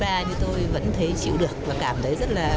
đây là lần đầu tiên mình đến lộn sơn và cảm thấy ở không cảnh rất là đẹp